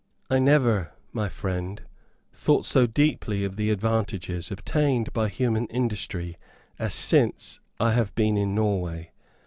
I never, my friend, thought so deeply of the advantages obtained by human industry as since I have been in Norway.